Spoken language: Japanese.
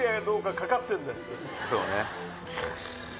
そうね。